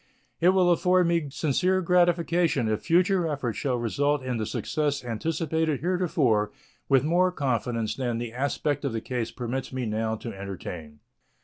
It will afford me sincere gratification if future efforts shall result in the success anticipated heretofore with more confidence than the aspect of the case permits me now to entertain.